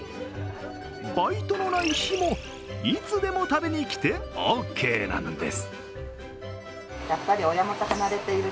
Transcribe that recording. バイトのない日も、いつでも食べに来てオーケーなんです。